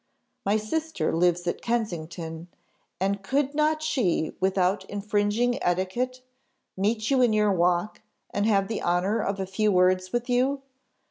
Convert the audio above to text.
My sister lives at Kensington, and could not she, without infringing etiquette, meet you in your walk, and have the honour of a few words with you?